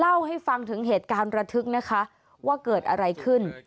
เล่าให้ฟังถึงเหตุการณ์ระทึกนะคะว่าเกิดอะไรขึ้น